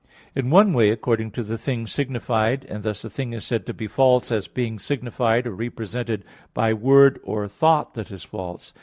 In one way according to the thing signified, and thus a thing is said to be false as being signified or represented by word or thought that is false.